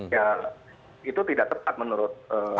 ya itu tidak tepat menurut